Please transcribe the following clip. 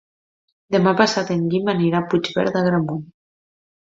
Demà passat en Guim anirà a Puigverd d'Agramunt.